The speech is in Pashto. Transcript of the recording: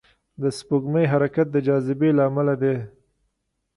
د سپوږمۍ حرکت د جاذبې له امله دی.